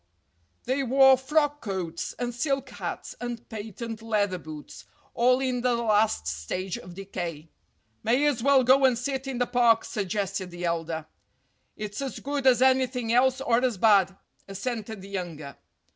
They wore frock coats and silk hats and patent leather boots, all in the last stage of decay. "May as well go and sit in the park," suggested the elder. "It's as good as anything else or as bad," assented the younger.